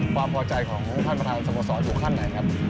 ความพอใจของคุณคันประธานสมสอสอยู่ขั้นหน่อยครับ